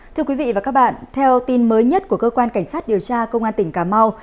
thưa quý vị và các bạn theo tin mới nhất của cơ quan cảnh sát điều tra công an tỉnh cà mau